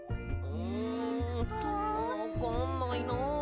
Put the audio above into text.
うんわかんないな。